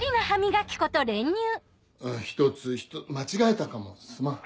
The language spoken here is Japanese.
一つ間違えたかもすまん。